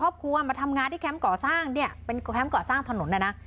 ครอบครัวมาทำงานที่แคมป์ก่อสร้างเนี่ยเป็นแคมป์ก่อสร้างถนนน่ะนะ